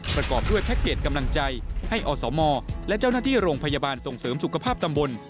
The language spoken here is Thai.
ประกอบด้วยแพ็คเกจกำลังใจให้อสมและเจ้าหน้าที่โรงพยาบาลส่งเสริมสุขภาพตำบล